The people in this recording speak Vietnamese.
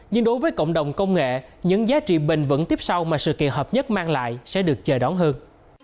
nhưng đối với cộng đồng công nghệ những giá trị bình vẫn tiếp sau mà sự kỳ hợp nhất mang lại sẽ được chờ đón hơn